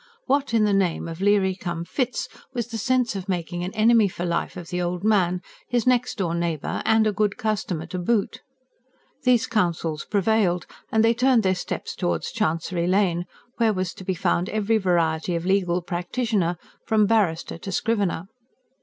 What, in the name of Leary cum Fitz, was the sense of making an enemy for life of the old man, his next door neighbour, and a good customer to boot? These counsels prevailed, and they turned their steps towards Chancery Lane, where was to be found every variety of legal practitioner from barrister to scrivener.